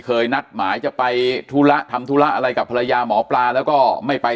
นัดหมายจะไปธุระทำธุระอะไรกับภรรยาหมอปลาแล้วก็ไม่ไป